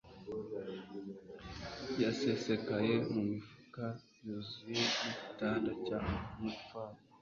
yasesekaye mu mifuka yuzuye yigitanda cya murphy